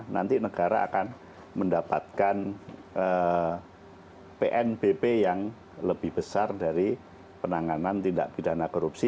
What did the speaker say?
nanti negara akan mendapatkan pnbp yang lebih besar dari penanganan tindak pidana korupsi